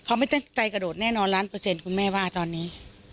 เขาไม่ตั้งใจกระโดดแน่นอนล้านเปอร์เซ็นต์คุณแม่ว่าตอนนี้